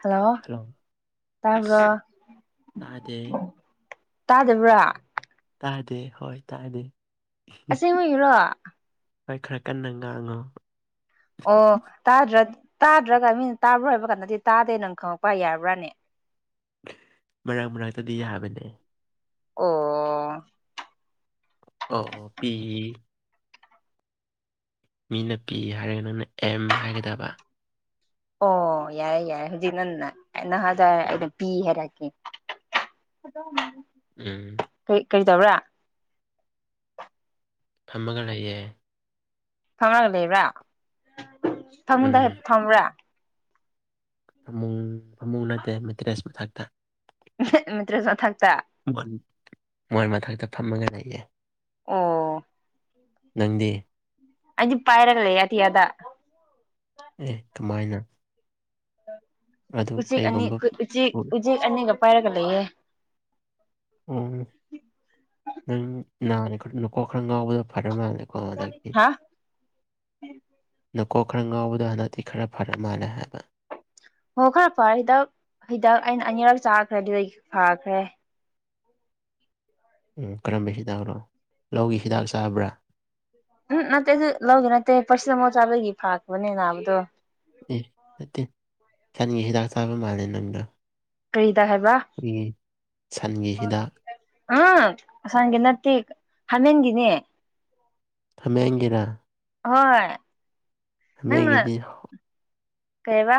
hello ꯇꯥꯕ꯭ꯔꯣ ꯑꯁ, ꯇꯥꯗꯦ ꯇꯥꯗꯕ꯭ꯔꯥ ꯇꯥꯗꯦ ꯍꯣꯏ ꯇꯥꯗꯦ ꯑꯁꯦꯡꯕꯒꯤꯔꯣ ꯍꯣꯏ ꯈꯔ ꯀꯟꯅ ꯉꯥꯡꯉꯣ ꯑꯣ ꯇꯥꯗ꯭ꯔ ꯇꯥꯗ꯭ꯔꯒ ꯃꯤꯟ ꯇꯥꯕ꯭ꯔꯥ ꯍꯥꯏꯕ ꯀꯥꯟꯗꯗꯤ ꯇꯥꯗꯦ ꯅꯪ ꯈꯪꯉꯛꯄ ꯌꯥꯔꯕ꯭ꯔꯥꯅꯦ ꯃꯔꯡ ꯃꯔꯛꯇꯗꯤ ꯌꯥꯕꯅꯦ ꯑꯣ ꯑꯣ ꯄꯤ ꯃꯤꯅ ꯄꯤ ꯍꯥꯏꯔꯒ ꯅꯪꯅ ꯑꯦꯝ ꯍꯥꯏꯒꯗꯕ ꯑꯣ ꯌꯥꯔꯦ ꯌꯥꯔꯦ ꯍꯧꯖꯤꯛ ꯅꯪꯟꯅ ꯅꯍꯥꯖ ꯑꯩꯅ ꯄꯤ ꯍꯥꯏꯔꯛꯀꯦ ꯐꯗꯧ ꯃꯥꯜꯂꯦ ꯎꯝ ꯀꯩ ꯀꯩꯗꯧꯔꯦ ꯐꯝꯃꯒ ꯂꯩꯌꯦ ꯐꯝꯃꯒ ꯂꯩꯕ꯭ꯔꯥ ꯐꯃꯨꯡꯗ ꯎꯝ ꯐꯝꯕ꯭ꯔꯥ ꯐꯃꯨꯡ ꯐꯃꯨꯡ ꯅꯠꯇꯦ ꯃꯇ꯭ꯔꯦꯁ ꯃꯊꯛꯇ ꯃꯇ꯭ꯔꯦꯖ ꯃꯊꯛꯇ ꯃꯣꯏ ꯃꯊꯛꯇ ꯐꯝꯃꯒ ꯂꯩꯌꯦ ꯑꯣ ꯅꯪꯗꯤ ꯑꯩꯗꯤ ꯄꯥꯏꯔꯒ ꯂꯩꯌꯦ ꯑꯇꯤꯌꯥꯗ ꯑꯦ ꯀꯃꯥꯏꯅ ꯑꯗꯨ ꯎꯆꯦꯛ ꯑꯅꯤ ꯀꯩꯒꯨꯝꯕ ꯎꯆꯦꯛ ꯑꯣ ꯎꯆꯦꯛ ꯑꯅꯤꯒ ꯄꯥꯏꯔꯒ ꯂꯩꯌꯦ ꯎꯝ ꯎꯝ ꯅꯥꯔꯦ ꯀꯟꯅ ꯀꯣꯛ ꯈꯔ ꯉꯥꯎꯕ ꯐꯔ ꯃꯥꯜꯂꯦ ꯑꯣ ꯅꯪꯒꯤ ꯍꯥ ꯅꯀꯣꯛ ꯈꯔ ꯉꯥꯎꯕꯗ ꯍꯟꯗꯛꯇꯤ ꯈꯔ ꯐꯔ ꯃꯥꯜꯂꯦ ꯍꯥꯏꯕ ꯍꯣ ꯈꯔ ꯐꯔꯦ ꯍꯤꯗꯛ ꯍꯤꯗꯛ ꯑꯩꯅ ꯑꯅꯤꯔꯛ ꯆꯥꯈ꯭ꯔꯦ ꯑꯗꯨꯗꯒꯤ ꯐꯥꯈ꯭ꯔꯦ ꯎꯝ ꯀꯔꯝꯕ ꯍꯤꯗꯥꯛꯔꯣ ꯂꯧꯒꯤ ꯍꯤꯗꯥꯛ ꯆꯥꯕ꯭ꯔꯥ ꯎꯝ ꯅꯠꯇꯦ ꯑꯗꯨ ꯂꯧꯒꯤ ꯅꯠꯇꯦ ꯄꯔꯁꯤꯇꯥꯃꯣꯟ ꯆꯥꯕꯗꯒꯤ ꯐꯔꯛꯄꯅꯦ ꯑꯅꯥꯕꯗꯣ ꯑꯦ ꯅꯠꯇꯦ ꯁꯟꯒꯤ ꯍꯤꯗꯥꯛ ꯆꯥꯕ ꯃꯥꯜꯂꯦ ꯅꯪꯗꯣ ꯀꯩ ꯍꯤꯗꯥꯛ ꯍꯥꯏꯕ ꯑꯩꯈꯣꯏꯒꯤ ꯁꯟꯒꯤ ꯍꯤꯗꯥꯛ ꯑꯥ ꯁꯟꯒꯤ ꯅꯠꯇꯦ ꯍꯃꯦꯡꯒꯤꯅꯦ ꯍꯥꯃꯦꯡꯒꯤꯔꯥ ꯍꯣꯏ ꯅꯪꯅ ꯍꯥꯃꯦꯡꯒꯤꯗꯤ ꯀꯩꯌꯦꯕ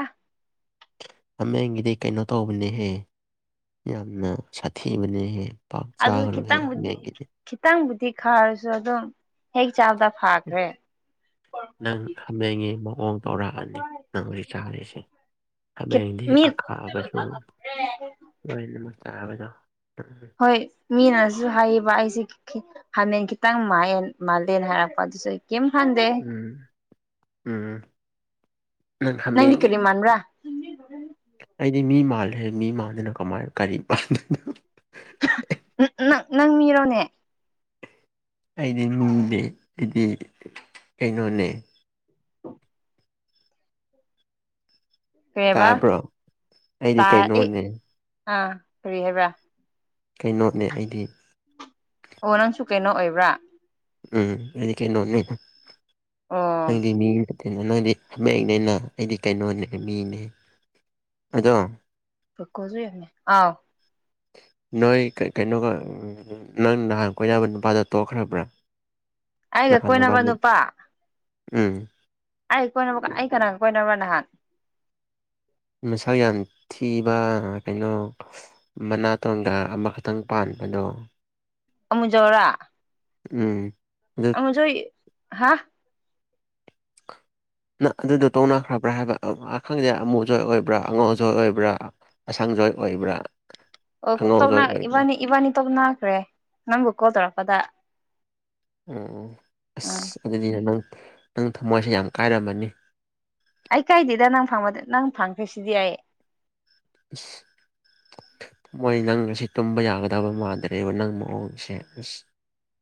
ꯍꯥꯃꯦꯡꯒꯤꯗꯤ ꯀꯩꯅꯣ ꯇꯧꯕꯅꯦꯍꯦ ꯌꯥꯝꯅ ꯁꯥꯊꯤꯕꯅꯦꯍꯦ ꯄꯥꯛ ꯑꯗꯨꯁꯨ ꯆꯥꯒꯅꯨꯍꯦ ꯈꯤꯇꯪꯕꯨꯗꯤ ꯍꯃꯦꯡꯒꯤꯗꯤ ꯈꯤꯇꯪꯕꯨꯗꯤ ꯈꯥꯔꯁꯨ ꯑꯗꯨꯝ ꯍꯦꯛ ꯆꯥꯕꯗ ꯐꯥꯈ꯭ꯔꯦ ꯅꯪ ꯍꯥꯃꯦꯡꯒꯤ ꯃꯑꯣꯡ ꯇꯧꯔꯛꯑꯅꯤ ꯅꯪ ꯍꯨꯖꯤꯛ ꯆꯥꯔꯤꯁꯦ ꯍꯥꯃꯦꯡꯗꯤ ꯃꯤ ꯑꯈꯥꯕꯁꯨ ꯂꯣꯏꯅꯃꯛ ꯆꯥꯕꯗꯣ ꯎꯝ ꯍꯣꯏ ꯃꯤꯅꯁꯨ ꯍꯥꯏꯌꯦꯕ ꯑꯩꯁꯦ ꯀꯤ ꯍꯥꯃꯦꯡ ꯈꯤꯇꯪ ꯃꯥꯏꯌꯦ ꯃꯥꯜꯂꯦꯅ ꯍꯥꯏꯔꯛꯄ ꯑꯗꯨꯁꯨ ꯑꯩ ꯀꯌꯤꯝ ꯈꯟꯗꯦ ꯎꯝ ꯎꯝ ꯅꯪ ꯅꯪꯗꯤ ꯍꯥꯃꯦꯡꯒꯤ ꯀꯔꯤ ꯃꯥꯟꯕ꯭ꯔꯥ ꯑꯩꯗꯤ ꯃꯤ ꯃꯥꯜꯂꯦꯍꯦ ꯃꯤ ꯃꯥꯟꯗꯅ ꯀꯃꯥꯏꯅ ꯀꯔꯤ ꯃꯥꯟꯗꯨꯏꯅꯣ ꯅꯪ ꯅꯪ ꯃꯤꯔꯣꯅꯦ ꯑꯩꯗꯤ ꯃꯤꯅꯦ ꯑꯩꯗꯤ ꯀꯩꯅꯣꯅꯦ ꯀꯩꯑꯦꯕ ꯇꯥꯕ꯭ꯔꯣ ꯑꯩꯗꯤ ꯇꯥ ꯑꯦ ꯀꯩꯅꯣꯅꯦ ꯑꯥ ꯀꯔꯤ ꯍꯥꯏꯕ꯭ꯔꯥ ꯀꯩꯅꯣꯅꯦ ꯑꯩꯗꯤ ꯑꯣ ꯅꯪꯁꯨ ꯀꯩꯅꯣ ꯑꯣꯏꯕ꯭ꯔꯥ ꯎꯝ ꯑꯩꯗꯤ ꯀꯩꯅꯣꯅꯦ ꯑꯣ ꯅꯪꯗꯤ ꯃꯤ ꯀꯩꯅꯣ ꯅꯣꯏꯗꯤ ꯍꯃꯦꯡꯅꯤꯅ ꯑꯩꯗꯤ ꯀꯩꯅꯣꯅꯦ ꯃꯤꯅꯦ ꯑꯗꯣ [unintelligible] ꯑꯥꯎ ꯅꯣꯏ ꯀꯩ ꯀꯩꯅꯣꯒ ꯎꯝ ꯅꯪ ꯅꯍꯥꯟ ꯀꯣꯏꯅꯕ ꯅꯨꯄꯥꯗꯣ ꯇꯣꯛꯈ꯭ꯔꯕ꯭ꯔꯥ ꯑꯩꯒ ꯅꯍꯥꯟ ꯀꯣꯏꯅꯕ ꯅꯕꯥꯟꯅꯤ ꯅꯨꯄꯥ ꯎꯝ ꯑꯩ ꯀꯣꯏꯅꯕ ꯀꯅꯥ ꯑꯩ ꯀꯅꯥꯒ ꯀꯣꯏꯅꯕ ꯅꯍꯥꯟ ꯃꯁꯛ ꯌꯥꯝ ꯊꯤꯕ ꯑꯥ ꯀꯩꯅꯣ ꯃꯅꯥꯇꯣꯟꯒ ꯑꯃꯈꯛꯇꯪ ꯄꯥꯟꯕꯗꯣ ꯑꯃꯨꯖꯥꯎꯔꯥ ꯎꯝ [unintelligible] ꯍꯥ ꯅꯪ ꯑꯗꯨꯗꯣ ꯇꯣꯛꯅꯈ꯭ꯔꯕ꯭ꯔꯥ ꯍꯥꯏꯕ ꯑꯥ ꯈꯪꯗꯦ ꯑꯃꯨꯖꯥꯎ ꯑꯣꯏꯕ꯭ꯔꯥ ꯑꯉꯥꯎꯖꯥꯎ ꯑꯣꯏꯕ꯭ꯔꯥ ꯑꯁꯪꯖꯣꯏ ꯑꯣꯏꯕ꯭ꯔꯥ ꯑꯣ ꯀꯣ ꯑꯉꯧꯖꯣꯏ ꯇꯣꯛꯅ ꯑꯣꯏꯕ꯭ꯔꯥ ꯏꯕꯥꯟꯅꯤ ꯏꯕꯥꯟꯅꯤ ꯇꯣꯛꯅꯈ꯭ꯔꯦ ꯅꯪꯕꯨ ꯀꯣꯜ ꯇꯧꯔꯛꯄꯗ ꯑꯣ ꯑꯣ ꯎꯝ ꯑꯁ ꯑꯗꯨꯗꯤ ꯅꯪ ꯅꯪ ꯊꯃꯣꯏꯁꯦ ꯌꯥꯝ ꯀꯥꯏꯔꯝꯃꯅꯤ ꯑꯩ ꯀꯥꯏꯗꯦꯗ ꯅꯪ ꯐꯪꯕꯗ ꯅꯪ ꯐꯪꯈ꯭ꯔꯁꯤꯗꯤ ꯑꯩ ꯏꯁ ꯃꯣꯏ ꯅꯪ ꯉꯁꯤ ꯇꯨꯝꯕ ꯌꯥꯒꯗꯕ ꯃꯥꯟꯗ꯭ꯔꯦꯕ ꯅꯪ ꯃꯑꯣꯡꯁꯦ ꯑꯁ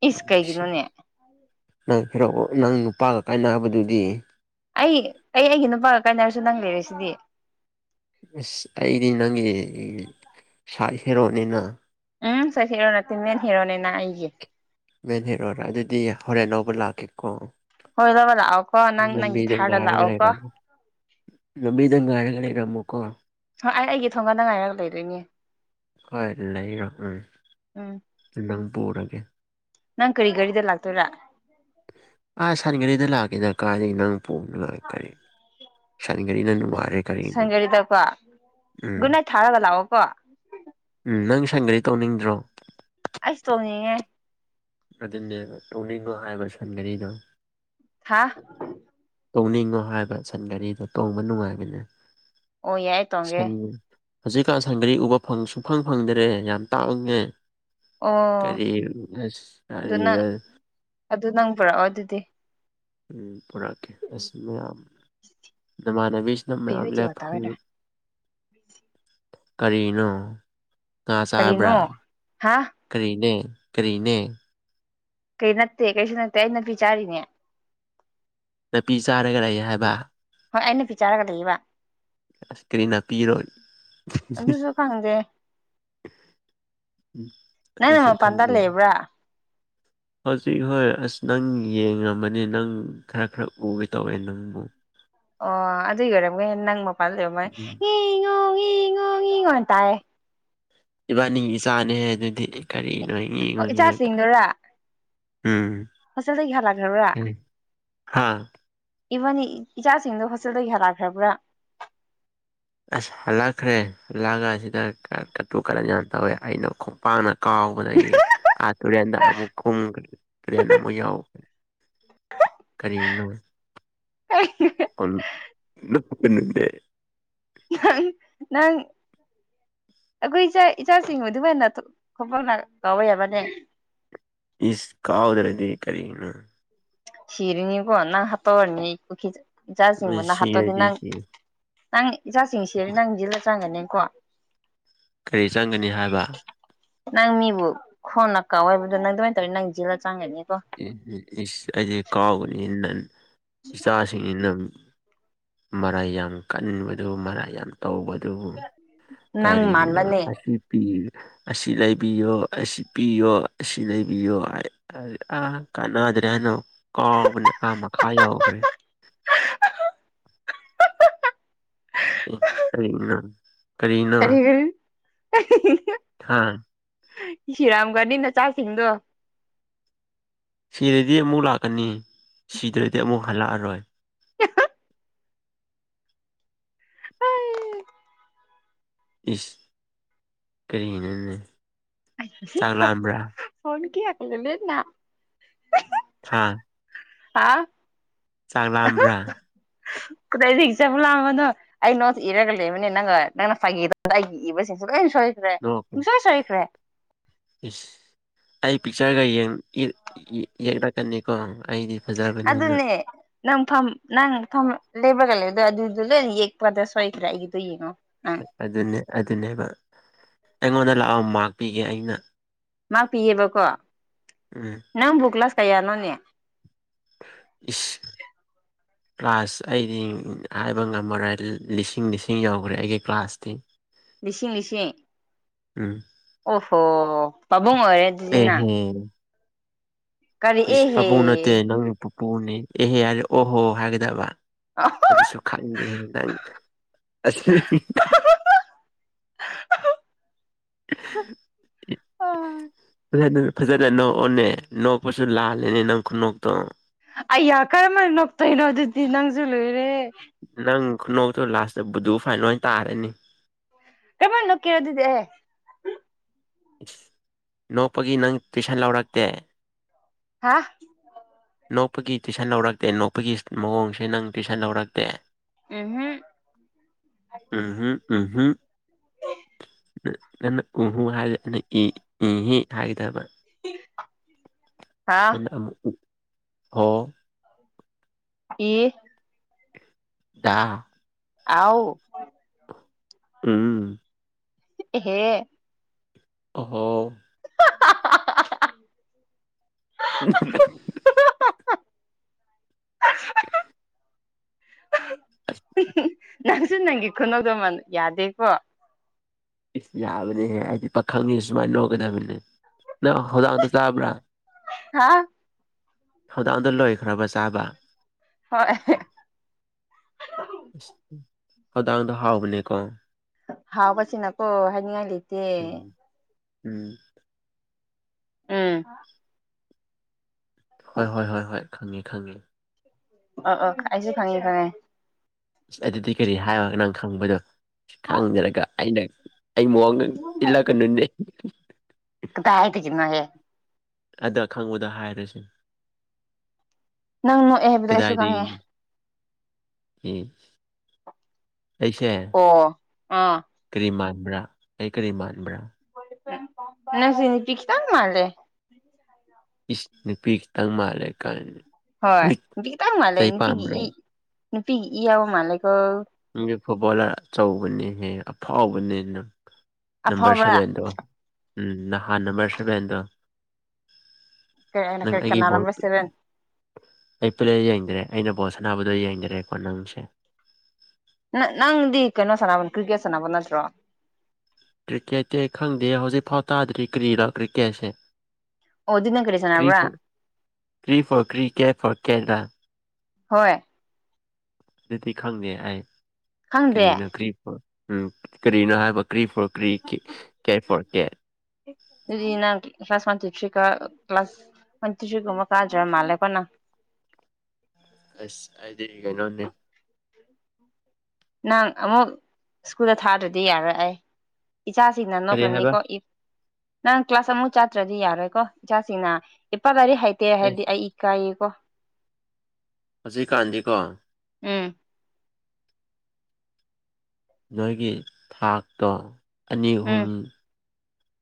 ꯏꯁ ꯀꯩꯒꯤꯅꯣꯅꯦ [unintelligible] ꯅꯪ ꯍꯦꯔꯣꯕꯨ ꯅꯪ ꯅꯨꯄꯥꯒ ꯀꯥꯏꯅꯕꯗꯨꯗꯤ ꯑꯩ ꯑꯩ ꯑꯩꯒꯤ ꯅꯨꯄꯥꯒ ꯀꯥꯏꯅꯔꯁꯨ ꯅꯪ ꯂꯩꯔꯤꯁꯤꯗꯤ ꯑꯁ ꯑꯩꯗꯤ ꯅꯪꯒꯤ ꯁꯥꯏꯗ ꯍꯦꯔꯣꯅꯤꯅ ꯎꯝ ꯁꯥꯏꯠ ꯍꯤꯔꯣ ꯅꯠꯇꯦ ꯃꯦꯟ ꯍꯤꯔꯣꯅꯤꯅ ꯑꯩꯒꯤ ꯃꯦꯟ ꯍꯦꯔꯣꯔꯥ ꯑꯗꯨꯗꯤ ꯍꯣꯔꯦꯟ ꯂꯧꯕ ꯂꯥꯛꯀꯦꯀꯣ ꯍꯣꯏ ꯂꯧꯕ ꯂꯥꯛꯑꯣꯀꯣ ꯅꯪ ꯅꯪꯒꯤ ꯂꯝꯕꯤꯗ ꯊꯥꯔꯗ ꯉꯥꯏꯔꯒ ꯂꯥꯛꯑꯣ ꯀꯣ ꯂꯩꯔꯝꯃꯣ ꯂꯝꯕꯤꯗ ꯉꯥꯏꯔ ꯂꯩꯔꯝꯃꯨꯀꯣ ꯍꯣꯏ ꯑꯩ ꯑꯩꯒꯤ ꯊꯣꯡꯒꯥꯟꯗ ꯉꯥꯏꯔꯒ ꯂꯩꯗꯣꯏꯅꯦ ꯍꯣꯏ ꯂꯩꯔꯣ ꯎꯝ ꯎꯝ ꯅꯪ ꯄꯨꯔꯒꯦ ꯅꯪ ꯀꯔꯤ ꯒꯥꯔꯤꯗ ꯂꯥꯛꯇꯣꯏꯔꯥ ꯑꯥ ꯁꯟ ꯒꯥꯔꯤꯗ ꯂꯥꯛꯀꯦꯗ ꯀꯥꯏꯗꯒꯤ ꯅꯪ ꯀꯔꯤ ꯁꯟꯒꯔꯤꯅ ꯅꯨꯡꯉꯥꯏꯔꯦ ꯀꯔꯤꯅꯣ ꯁꯟ ꯒꯥꯔꯤꯗꯀꯣ ꯎꯝ ꯒꯨꯗ ꯅꯥꯏꯠ ꯊꯥꯔꯒ ꯂꯥꯛꯑꯣꯀꯣ ꯎꯝ ꯅꯪ ꯁꯟꯒꯔꯤ ꯇꯣꯅꯤꯡꯗ꯭ꯔꯣ ꯑꯩꯁꯨ ꯇꯣꯡꯅꯤꯡꯉꯦ ꯑꯗꯨꯅꯦꯕ ꯇꯣꯡꯅꯤꯡꯉꯣ ꯍꯥꯏꯕ ꯁꯟꯒꯔꯤꯗꯣ ꯍꯥꯥ ꯇꯣꯡꯅꯤꯡꯉꯣ ꯍꯥꯏꯕ ꯁꯟ ꯒꯥꯔꯤꯗꯣ ꯇꯣꯡꯕ ꯅꯨꯡꯉꯥꯏꯕꯅꯦ ꯑꯣ ꯌꯥꯏ ꯇꯣꯡꯒꯦ ꯁꯟ ꯍꯧꯖꯤꯛꯀꯥꯟ ꯁꯟꯒꯔꯤ ꯎꯕ ꯐꯪ ꯁꯨꯛꯐꯪ ꯐꯪꯗ꯭ꯔꯦ ꯌꯥꯝ ꯇꯥꯡꯉꯦ ꯑꯣ ꯀꯔꯤ ꯑꯁ ꯑꯗꯨ ꯅꯪ ꯀꯔꯤꯔ ꯑꯗꯨ ꯅꯪ ꯄꯣꯔꯛꯑꯣ ꯑꯗꯨꯗꯤ ꯎ ꯄꯨꯔꯛꯀꯦ ꯑꯁ ꯃꯌꯥꯝ ꯅꯃꯥꯟꯅꯕꯤꯁꯤꯅ ꯃꯌꯥꯝ ꯄꯤꯕꯤꯗꯤ ꯇꯥꯔꯦ ꯂꯦꯞꯐꯜꯂꯣ ꯀꯔꯤꯅꯣ ꯉꯥ ꯀꯔꯤꯅꯣ ꯆꯥꯕ꯭ꯔꯥ ꯍꯥ ꯀꯔꯤꯅꯦ ꯀꯔꯤꯅꯦ ꯀꯩ ꯅꯠꯇꯦ ꯀꯩꯁꯨ ꯅꯠꯇꯦ ꯑꯩ ꯅꯄꯤ ꯆꯥꯔꯤꯅꯦ ꯅꯥꯄꯤ ꯆꯥꯔꯒ ꯂꯩ ꯍꯥꯏꯕ ꯍꯣꯏ ꯑꯩ ꯅꯄꯤ ꯆꯥꯔꯒ ꯂꯩꯌꯦꯕ ꯑꯁ ꯀ꯭ꯔꯤ ꯅꯥꯄꯤꯔꯣ ꯑꯗꯨꯁꯨ ꯈꯪꯗꯦ ꯅꯪꯅ ꯑꯗꯨꯁꯨ ꯃꯄꯥꯟꯗ ꯈꯪꯗꯦ ꯂꯩꯕ꯭ꯔꯥ ꯍꯧꯖꯤꯛ ꯍꯣꯏ ꯑꯁ ꯅꯪ ꯌꯦꯡꯉꯝꯃꯅꯤ ꯅꯪ ꯈꯔ ꯈꯔ ꯎꯒꯦ ꯇꯧꯋꯦ ꯅꯪꯕꯨ ꯑꯣ ꯑꯗꯨꯏ ꯑꯣꯏꯔꯝꯒꯅꯤ ꯅꯪ ꯃꯄꯥꯟ ꯂꯩꯔ ꯃꯅꯤ ꯎꯝ ꯉꯦ ꯉꯣ ꯉꯦ ꯉꯣ ꯅ ꯇꯥꯏꯌꯦ ꯏꯕꯥꯅꯤꯒꯤ ꯏꯆꯥꯅꯦ ꯍꯦ ꯑꯗꯨꯗꯤ ꯀꯔꯤꯅꯣ ꯉꯦ ꯉꯣ ꯑꯣ ꯉꯦ ꯉꯣ ꯇꯧꯋꯦ ꯏꯆꯥꯁꯤꯡꯗꯨꯔꯥ ꯎꯝ ꯍꯣꯁꯇꯦꯜꯗꯒꯤ ꯍꯂꯛꯈ꯭ꯔꯕꯔꯥ ꯀꯔꯤ ꯍꯥ ꯏꯚꯥꯅꯤ ꯏꯆꯥꯁꯤꯡꯗꯣ ꯍꯣꯁꯇꯦꯜꯗꯒꯤ ꯍꯜꯂꯛꯈ꯭ꯔꯕ꯭ꯔꯥ ꯑꯁ ꯍꯜꯂꯛꯈ꯭ꯔꯦ ꯍꯜꯂꯛꯑꯒ ꯑꯁꯤꯗ ꯀꯇꯨ ꯀꯔꯟ ꯌꯥꯝꯅ ꯇꯧꯋꯦ ꯑꯩꯅ ꯈꯣꯡ ꯄꯥꯛꯅ ꯀꯥꯎꯕꯗꯒꯤ ꯑꯥ ꯇꯨꯔꯦꯟꯗ ꯑꯃꯨꯛ ꯀꯨꯝꯈ꯭ꯔꯦ ꯀ꯭ꯂꯦꯟ ꯑꯃꯨꯛ ꯌꯥꯎꯈꯔꯦ ꯀꯔꯤꯅꯣ [unintelligible] [unintelligible] ꯅꯪ ꯅꯪ ꯑꯩꯈꯣꯏ ꯏꯆꯥ ꯏꯆꯥꯁꯤꯡꯕꯨꯗꯤ ꯗꯨꯃꯥꯏꯅ ꯈꯣꯡꯄꯥꯛꯅ ꯀꯥꯎꯕ ꯌꯥꯕꯅꯦ ꯏꯁ ꯀꯥꯎꯗꯔꯗꯤ ꯀꯔꯤꯅꯣ ꯁꯔꯤꯅꯤꯀꯣ ꯅꯪ ꯍꯥꯥꯠꯇꯣꯛꯔꯅꯤ ꯄꯨꯈꯤ ꯏꯆꯥꯁꯤꯡꯕꯨ ꯅꯪ ꯍꯥꯠꯇꯣꯛꯑꯗꯤ ꯁꯤꯔꯗꯤ ꯅꯪ ꯁꯤ ꯅꯪ ꯏꯆꯥꯁꯤꯡ ꯁꯤꯔꯗꯤ ꯅꯪ ꯖꯦꯜꯗ ꯆꯪꯒꯅꯤꯀꯣ ꯀꯔꯤ ꯆꯪꯒꯅꯤ ꯍꯥꯏꯕ ꯅꯪ ꯃꯤꯕꯨ ꯈꯣꯡꯅ ꯀꯥꯎꯋꯦ ꯍꯥꯏꯕꯗꯣ ꯅꯪ ꯑꯗꯨꯃꯥꯏꯅ ꯇꯧꯔꯤꯅꯤ ꯅꯪ ꯖꯤꯜꯂ ꯆꯪꯒꯅꯤꯀꯣ ꯏꯁ ꯑꯩꯗꯤ ꯀꯥꯎꯒꯅꯤ ꯅꯥ ꯏꯆꯥꯁꯤꯡꯅꯤꯅ ꯃꯔꯥꯏ ꯌꯥꯝ ꯀꯥꯟꯕꯗꯨ ꯃꯔꯥꯏ ꯌꯥꯝ ꯇꯧꯕꯗꯨꯕꯨ ꯅꯪ ꯀꯔꯤꯅꯣ ꯃꯥꯟꯕꯅꯦ ꯑꯁꯤ ꯄꯤ ꯑꯁꯤ ꯂꯩꯕꯤꯌꯣ ꯑꯁꯤ ꯄꯤꯌꯣ ꯑꯁꯤ ꯂꯩꯕꯤꯌꯣ ꯍꯥꯏ ꯑꯥ ꯀꯥꯟꯅꯗ꯭ꯔꯦ ꯍꯥꯏꯅ ꯀꯥꯎꯕꯅꯦ ꯑꯥ ꯃꯈ ꯌꯧꯒ꯭ꯔꯦ ꯑꯦ ꯀꯔꯤꯅꯣ ꯀꯔꯤꯅꯣ ꯀꯔꯤꯒꯤꯔ ꯑꯍꯤꯍꯤ ꯍꯥ ꯁꯤꯔꯥꯝꯒꯅꯤ ꯅꯆꯥꯁꯤꯡꯗꯣ ꯁꯤꯔꯗꯤ ꯑꯃꯨꯛ ꯂꯥꯛꯀꯅꯤ ꯁꯤꯗ꯭ꯔꯗꯤ ꯑꯃꯨꯛ ꯍꯜꯂꯛꯑꯔꯣꯏ [unintelligible] ꯏꯁ ꯀꯔꯤꯅꯣꯅꯦ ꯆꯥꯛ ꯂꯥꯝꯕ꯭ꯔꯥ ꯐꯣꯟ [unintelligible] ꯍꯥꯥ ꯑꯥ ꯆꯥꯛ ꯂꯥꯝꯕ꯭ꯔꯥ ꯀꯗꯥꯢꯗꯒꯤ ꯆꯥꯛ ꯂꯥꯝꯕꯅꯣ ꯑꯩ ꯅꯣꯠꯁ ꯏꯔꯒ ꯂꯩꯕꯅꯦ ꯅꯪꯅ ꯐꯥꯒꯤ ꯇꯧꯕꯗ ꯑꯩꯒꯤ ꯏꯕꯁꯤꯡꯁꯦ ꯂꯣꯏ ꯁꯣꯏ ꯈ꯭ꯔꯦ ꯅꯣꯛꯀꯅꯨ ꯄꯨꯡꯁꯣꯏ ꯁꯣꯏꯈ꯭ꯔꯦ ꯏꯁ ꯑꯩ ꯄꯤꯛꯆꯔꯒ ꯌꯦꯡ ꯌꯦꯛꯂꯛꯀꯅꯤꯀꯣ ꯑꯩꯗꯤ ꯐꯖꯕꯅꯤꯅ ꯑꯗꯨꯅꯦ ꯅꯪ ꯐꯝ ꯅꯪ ꯐꯝꯔ ꯂꯦꯞꯄꯒ ꯂꯩꯕꯗꯣ ꯑꯗꯨꯗꯣ ꯂꯣꯏꯅ ꯌꯦꯛꯄꯗ ꯁꯣꯏꯈ꯭ꯔꯦ ꯑꯩꯒꯤꯗꯣ ꯌꯦꯡꯉꯣ ꯅꯪ ꯑꯗꯨꯅꯦ ꯑꯗꯨꯅꯦꯕ ꯑꯩꯉꯣꯟꯗ ꯂꯥꯛꯑꯣ ꯃꯥꯛ ꯄꯤꯒꯦ ꯑꯩꯅ ꯃꯥꯥꯛ ꯄꯤꯌꯦꯕꯀꯣ ꯎꯝ ꯅꯪ ꯕꯨ ꯀ꯭ꯂꯥꯁ ꯀꯌꯥꯅꯣꯅꯦ ꯏꯁ [inaudible] ꯀ꯭ꯂꯥꯁ ꯑꯩꯗꯤ ꯍꯥꯏꯕ ꯉꯝꯃꯔꯣꯏ ꯂꯤꯁꯤꯡ ꯂꯤꯁꯤꯡ ꯌꯧꯈ꯭ꯔꯦ ꯑꯩꯒꯤ ꯀ꯭ꯂꯥꯁꯇꯤ ꯂꯤꯁꯤꯡ ꯂꯤꯁꯤꯡ ꯎꯝ ꯑꯣꯍꯣ ꯄꯥꯕꯨꯡ ꯑꯣꯏꯔꯦ ꯑꯗꯨꯗꯤ ꯅꯪ ꯑꯦꯍꯦ ꯀꯔꯤ ꯏꯁ ꯑꯦꯍꯦ ꯄꯥꯕꯨꯡ ꯅꯠꯇꯦ ꯅꯪꯒꯤ ꯄꯨꯄꯨꯅꯤ ꯑꯦꯍꯦ ꯍꯥꯏꯔꯦ ꯑꯣꯍꯣ ꯍꯥꯏꯒꯗꯕ [unintelligible] ꯑꯗꯨꯁꯨ ꯈꯪꯗꯦ ꯍꯦ ꯅꯪ ꯑꯁꯤ ꯐꯖꯅ ꯐꯖꯅ ꯅꯣꯛꯑꯣꯅꯦ ꯅꯣꯛꯄꯁꯨ ꯂꯥꯜꯂꯦꯅꯦ ꯅꯪ ꯈꯨꯅꯣꯛꯇꯣ ꯑꯩꯌꯥ ꯀꯔꯝꯃꯥꯏꯟ ꯅꯣꯛꯇꯣꯏꯅꯣ ꯑꯗꯨꯗꯤ ꯅꯪꯁꯨ ꯂꯣꯏꯔꯦꯍꯦ ꯅꯪ ꯈꯨꯅꯣꯛꯇꯨ ꯂꯥꯁꯇ ꯕꯨꯗꯨ ꯐꯥꯏꯟ ꯑꯣꯏꯅ ꯇꯥꯔꯅꯤ ꯀꯔꯃꯥꯢ ꯅꯣꯛꯀꯦꯔ ꯑꯗꯨꯗꯤ ꯅꯣꯛꯄꯒꯤ ꯅꯪ ꯇꯨꯏꯁꯟ ꯂꯧꯔꯛꯇꯦ ꯍꯥ ꯅꯣꯛꯄꯒꯤ ꯇꯨꯏꯁꯟ ꯂꯧꯔꯛꯇꯦ ꯅꯣꯛꯄꯒꯤ ꯃꯑꯣꯡꯁꯦ ꯅꯪ ꯇꯨꯏꯁꯟ ꯂꯧꯔꯛꯇꯦ ꯎꯝꯍꯨꯝ ꯎꯝꯍꯨꯝ ꯎꯝꯍꯨꯝ ꯅꯪꯅ ꯎꯍꯨ ꯍꯥꯏꯔꯗꯤ ꯑꯩꯅ ꯍꯥꯏ ꯏꯍꯤ ꯍꯥꯏꯒꯗꯕ ꯍꯥꯥ ꯑꯣ ꯑꯦ ꯗꯥ ꯑꯥꯎ ꯎꯝ ꯑꯦꯍꯦ ꯑꯣꯍꯣ [unintelligible] [unintelligible] [unintelligible] ꯅꯪꯁꯨ ꯅꯪꯒꯤ ꯈꯨꯅꯣꯛꯗꯣꯃꯟ ꯌꯥꯗꯦꯀꯣ ꯏꯁ ꯌꯥꯕꯅꯦꯍꯦ ꯑꯩꯗꯤ ꯄꯥꯈꯪꯅꯤ ꯁꯨꯃꯥꯏꯅ ꯅꯣꯛꯒꯗꯕꯅꯦ ꯅꯪ ꯍꯣꯗꯥꯡꯗ ꯆꯥꯕ꯭ꯔꯥ ꯍꯥꯥ ꯍꯧꯗꯣꯡꯗꯣ ꯂꯣꯏꯈ꯭ꯔꯕ ꯆꯥꯕ ꯍꯣꯏ ꯑꯁ ꯍꯣꯗꯣꯡꯗꯣ ꯍꯥꯎꯕꯅꯦꯀꯣ ꯍꯥꯎꯕꯁꯤꯅꯀꯣ ꯍꯥꯏꯅꯤꯡꯉꯥꯏ ꯂꯩ ꯎꯝ ꯎꯝ ꯎꯝ ꯍꯣꯏ ꯍꯣꯏ ꯍꯣꯏ ꯍꯣꯏ ꯈꯪꯉꯤ ꯈꯪꯉꯤ ꯑꯣ ꯑꯣ ꯑꯩꯁꯨ ꯈꯪꯉꯤ ꯈꯪꯉꯦ ꯢꯁ ꯑꯗꯨꯗꯤ ꯀꯔꯤ ꯍꯥꯏꯌꯣ ꯅꯪ ꯈꯪꯕꯗꯣ ꯈꯪꯗ꯭ꯔꯒ ꯑꯩꯅ ꯑꯩꯉꯣꯟꯗ ꯏꯜꯂꯛꯀꯅꯨꯅꯦ ꯀꯗꯥꯢꯗꯒꯤꯅꯣꯍꯦ ꯑꯗꯣ ꯈꯪꯕꯗꯣ ꯍꯥꯏꯔꯁꯤ ꯅꯪ ꯅꯣꯛꯑꯦ ꯍꯥꯏꯕꯗꯣ ꯑꯩꯁꯨ ꯈꯪꯉꯦ ꯢ ꯑꯩꯩꯁꯦ ꯑꯣ ꯑꯥ ꯀꯔꯤ ꯃꯥꯟꯕ꯭ꯔꯥ ꯑꯩ ꯀꯔꯤ ꯃꯥꯟꯕ꯭ꯔꯥ [unintelligible] ꯅꯪꯁꯤ ꯅꯨꯄꯤ ꯈꯤꯠꯇꯪ ꯃꯥꯜꯂꯦ ꯏꯁ ꯅꯨꯄꯤ ꯈꯤꯇꯪ ꯃꯥꯜꯂꯦ ꯀꯥꯏꯅ ꯍꯣꯏ ꯍꯨꯏꯠ ꯈꯤꯇꯪ ꯃꯥꯜꯂꯦ ꯆꯩ ꯅꯨꯄꯤꯒꯤ ꯄꯥꯟꯕ꯭ꯔꯣ ꯏ ꯅꯨꯄꯤꯒꯤ ꯏ ꯌꯥꯎꯕ ꯃꯥꯜꯂꯦꯀꯣ ꯅꯪꯖꯨ ꯐꯨꯠꯕꯣꯂꯔ ꯑꯆꯧꯕꯅꯦꯍꯦ ꯑꯐꯥꯎꯕꯅꯦ ꯅꯪ ꯅꯝꯕꯔ ꯑꯐꯥꯎꯕ꯭ꯔꯥ ꯁꯚꯦꯟꯗꯣ ꯎꯝ ꯅꯍꯥꯟ ꯅꯝꯕꯔ ꯁꯚꯦꯟꯗꯣ ꯅꯪ ꯀꯔꯤ ꯑꯩꯒꯤ ꯀꯅꯥ ꯅꯝꯕꯔ ꯕꯣꯜꯇꯨ ꯁꯚꯦꯟ ꯑꯩ ꯄ꯭ꯂꯦ ꯌꯦꯡꯗ꯭ꯔꯦ ꯑꯩꯅ ꯕꯣꯜ ꯁꯟꯅꯥꯕꯨꯗꯨ ꯌꯦꯡꯗ꯭ꯔꯦꯀꯣ ꯅꯪꯁꯦ ꯅꯥ ꯅꯪꯗꯤ ꯀꯩꯅꯣ ꯁꯥꯟꯅꯕ ꯀ꯭ꯔꯤꯀꯦꯠ ꯁꯟꯅꯥꯕ ꯅꯠꯇ꯭ꯔꯣ ꯀ꯭ꯔꯤꯀꯦꯠꯇꯤ ꯑꯩ ꯈꯪꯗꯦ ꯍꯧꯖꯤꯛꯐꯥꯎ ꯇꯥꯗ꯭ꯔꯤ ꯀ꯭ꯔꯤꯔꯥ ꯀ꯭ꯔꯤꯀꯦꯠꯁꯦ ꯑꯗꯨꯗꯤ ꯅꯪ ꯀꯔꯤ ꯀ꯭ꯔꯤ ꯁꯥꯟꯅꯕ꯭ꯔꯥ ꯐꯣ ꯀ꯭ꯔꯤ ꯐꯣꯔ ꯀ꯭ꯔꯤꯀꯦꯠ ꯐꯣꯔ ꯀꯦꯠꯔꯥ ꯍꯣꯏ ꯑꯗꯨꯗꯤ ꯈꯪꯗꯦ ꯑꯩ ꯈꯪꯗꯦ ꯀ꯭ꯔꯤꯅꯣ ꯀ꯭ꯔꯤ ꯐꯣ ꯎꯝ ꯀꯔꯤꯅꯣ ꯍꯥꯏꯕ ꯀ꯭ꯔꯤ ꯐꯣꯔ ꯀ꯭ꯔꯤ ꯀꯤ ꯀꯦꯠ ꯐꯣꯔ ꯀꯦꯠ ꯑꯗꯨꯗꯤ ꯅꯪ ꯀ꯭ꯂꯥꯁ ꯋꯥꯟ ꯇꯨ ꯊ꯭ꯔꯤ ꯀꯥ ꯀ꯭ꯂꯥꯁ ꯋꯥꯟ ꯇꯨ ꯊ꯭ꯔꯤ ꯒꯨꯝꯕ ꯀꯥꯗ꯭ꯔ ꯃꯥꯜꯂꯦꯀꯣ ꯅꯪ ꯑꯁ ꯑꯩꯗꯤ ꯀꯩꯅꯣꯅꯦ ꯅꯪ ꯑꯃꯨꯛ ꯁ꯭ꯀꯨꯜꯗ ꯊꯥꯗ꯭ꯔꯗꯤ ꯌꯥꯔꯣꯢ ꯑꯩ ꯏꯆꯥꯁꯤꯡꯅ ꯀꯔꯤ ꯍꯥꯏꯕ ꯅꯣꯛꯔꯅꯤꯀꯣ ꯏ ꯅꯪ ꯀ꯭ꯂꯥꯁ ꯑꯃꯨꯛ ꯆꯥꯠꯇ꯭ꯔꯗꯤ ꯌꯥꯔꯣꯏꯀꯣ ꯏꯆꯥꯁꯤꯡꯅ ꯏꯄꯥ ꯂꯩꯔꯤꯛ ꯍꯩꯇꯦ ꯑꯦ ꯍꯥꯏꯔꯗꯤ ꯑꯩ ꯏꯀꯥꯏꯌꯦꯀꯣ ꯍꯧꯖꯤꯛ ꯀꯥꯟꯗꯤꯀꯣ ꯎꯝ ꯅꯣꯏꯒꯤ ꯊꯥꯛꯇꯣ ꯑꯅꯤ ꯎꯝ ꯑꯍꯨꯝ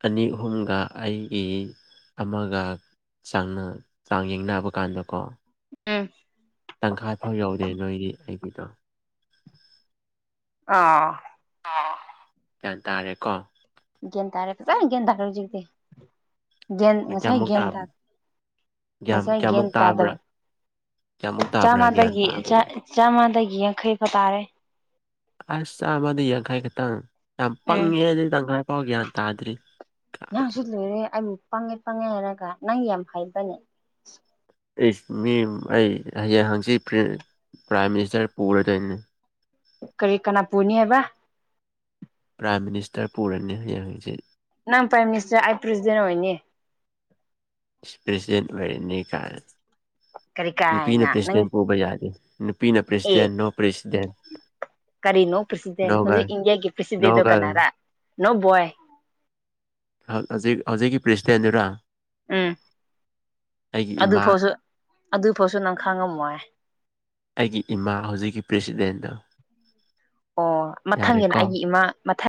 ꯑꯅꯤ ꯑꯍꯨꯝꯒ ꯑꯩꯒꯤ ꯑꯃꯒ ꯆꯥꯡꯅ ꯆꯥꯡ ꯌꯦꯡꯅꯕ ꯀꯥꯟꯗꯀꯣ ꯎꯝ ꯇꯪꯈꯥꯏꯐꯧ ꯌꯧꯗꯦ ꯅꯣꯏꯗꯤ ꯑꯩꯒꯤꯗꯣ ꯑꯥꯎ ꯑꯣ ꯒ꯭ꯌꯥꯟ ꯇꯥꯔꯦꯀꯣ ꯒ꯭ꯌꯥꯟ ꯇꯥꯔꯦ ꯐꯖꯅ ꯒ꯭ꯌꯟ ꯇꯥꯔꯦ ꯍꯧꯖꯤꯛꯗꯤ ꯒ꯭ꯌꯟ ꯉꯁꯥꯏ ꯀꯌꯥꯃꯨꯛ ꯒ꯭ꯌꯟ ꯇꯥ ꯇꯥꯕ ꯒ꯭ꯌꯥꯟ ꯉꯁꯥꯏ ꯒ꯭ꯌꯟ ꯀꯌꯥꯃꯨꯛ ꯇꯥꯕ꯭ꯔꯥ ꯇꯥꯗꯕ ꯀꯌꯥꯃꯨꯛ ꯇꯥꯕ꯭ꯔꯥ ꯒ꯭ꯌꯥꯟ ꯆꯥꯃꯥꯗꯒꯤ ꯆꯥ ꯇꯥꯕꯗꯣ ꯆꯥꯝꯃꯗꯒꯤ ꯌꯥꯡꯈꯩ ꯐ ꯇꯥꯥꯔꯦ ꯑꯁ ꯆꯥꯝꯃꯗ ꯌꯥꯡꯈꯩ ꯈꯇꯪ ꯌꯥꯝ ꯎꯝ ꯄꯪꯉꯤꯍꯦ ꯗꯨꯗꯤ ꯇꯪꯈꯥꯏ ꯐꯥꯎ ꯒ꯭ꯌꯥꯟ ꯇꯥꯗ꯭ꯔꯤ ꯅꯪꯁꯨ ꯀꯥꯏꯗꯒꯤ ꯂꯣꯏꯔꯦ ꯑꯩꯕꯨ ꯄꯪꯉꯦ ꯄꯪꯉꯦ ꯍꯥꯏꯔꯒ ꯅꯪ ꯌꯥꯝ ꯍꯩꯕ꯭ꯔꯅꯦ ꯏꯁ ꯃꯤꯝ ꯑꯩ ꯍꯌꯦꯡ ꯍꯪꯆꯤꯠ ꯄꯔꯤ ꯄ꯭ꯔꯥꯏꯝ ꯃꯤꯅꯤꯁꯇꯔ ꯄꯨꯔꯗꯣꯏꯅꯦ ꯀꯔꯤ ꯀꯅꯥ ꯄꯨꯅꯤ ꯍꯩꯕ ꯄ꯭ꯔꯥꯏꯝ ꯃꯤꯅꯤꯁꯇꯔ ꯄꯨꯔꯅꯤ ꯍꯌꯦꯡ ꯍꯪꯆꯤꯠ ꯅꯪ ꯄ꯭ꯔꯥꯏꯝ ꯃꯤꯅꯤꯁꯇꯔ ꯑꯩ ꯄ꯭ꯔꯁꯤꯗꯦꯟ ꯑꯣꯏꯅꯤ ꯏꯁ ꯄ꯭ꯔꯁꯤꯗꯦꯟ ꯑꯣꯏꯔꯅꯤ ꯀꯥꯏꯅ ꯀꯔꯤ ꯅꯨꯄꯤꯅ ꯀꯥꯏꯅ ꯅꯪ ꯄ꯭ꯔꯁꯤꯗꯦꯟ ꯄꯨꯕ ꯌꯥꯗꯦ ꯅꯨꯄꯤꯅ ꯄ꯭ꯔꯁꯤꯗꯦꯟ ꯅꯣ ꯄ꯭ꯔꯦꯁꯤꯗꯦꯟ ꯀꯔꯤ ꯅꯣ ꯄ꯭ꯔꯁꯤꯗꯦꯟ ꯅꯣ ꯒꯔꯜ ꯍꯧꯖꯤꯛ ꯏꯟꯗꯤꯌꯥꯒꯤ ꯅꯣ ꯄ꯭ꯔꯁꯤꯗꯦꯟꯗꯣ ꯒꯔꯜ ꯀꯅꯥꯔꯥ ꯅꯣ ꯕꯣꯏ ꯍꯧ ꯍꯧꯖꯤꯛ ꯍꯧꯖꯤꯛꯀꯤ ꯄ꯭ꯔꯁꯤꯗꯦꯟꯗꯨꯔꯥ ꯎꯝ ꯏꯃꯥ ꯑꯗꯨꯐꯥꯎꯁꯨ ꯑꯗꯨꯐꯥꯎꯁꯨ ꯅꯪ ꯈꯪꯉꯝꯃꯣꯏ ꯑꯩꯒꯤ ꯏꯃꯥ ꯍꯧꯖꯤꯛꯀꯤ ꯄ꯭ꯔꯦꯁꯤꯗꯦꯟꯗꯣ ꯑꯣ ꯃꯊꯪꯒꯤꯅ ꯌꯥꯔꯦꯀꯣ ꯑꯩꯒꯤ ꯏꯃꯥ ꯃꯊꯠ